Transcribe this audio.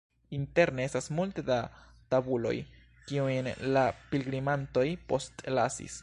Interne estas multe da tabuloj, kiujn la pilgrimantoj postlasis.